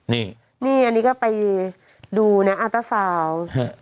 นี่นี่อันนี้ก็ไปดูนะอาต้าสาว